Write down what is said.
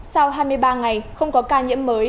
sau hai mươi ba ngày không có ca nhiễm mới